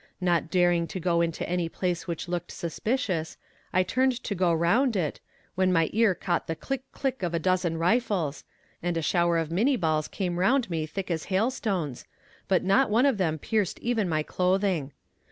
Not daring to go into any place which looked suspicious, I turned to go round it, when my ear caught the click, click of a dozen rifles, and a shower of Minnie balls came round me thick as hailstones, but not one of them pierced even my clothing.